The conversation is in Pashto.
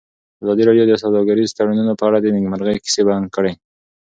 ازادي راډیو د سوداګریز تړونونه په اړه د نېکمرغۍ کیسې بیان کړې.